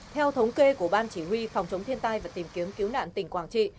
theo thống kê của ban chỉ huy phòng chống thiên tai và tìm kiếm cứu nạn tỉnh quảng trị